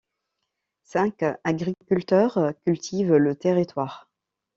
Cinq agriculteurs cultivent le territoire.